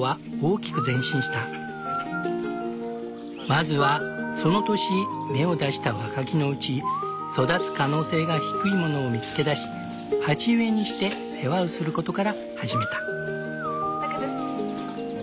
まずはその年芽を出した若木のうち育つ可能性が低いものを見つけだし鉢植えにして世話をすることから始めた。